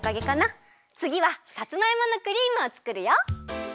つぎはさつまいものクリームをつくるよ！